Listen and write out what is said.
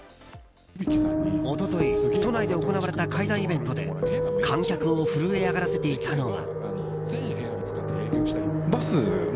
一昨日、都内で行われた怪談イベントで観客を震え上がらせていたのは。